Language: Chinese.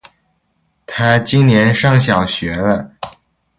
他今年上小学了